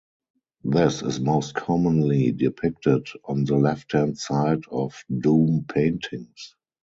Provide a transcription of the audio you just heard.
This is most commonly depicted on the left hand side of Doom paintings.